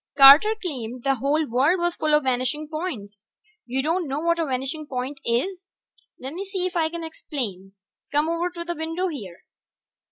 Carter claimed the whole world was full of vanishing points. You don't know what a vanishing point is? Lemme see if I can explain. Come over to the window here.